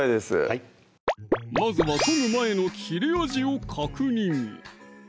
はいまずは研ぐ前の切れ味を確認